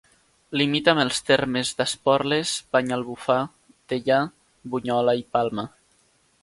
Limita amb els termes d'Esporles, Banyalbufar, Deià, Bunyola i Palma.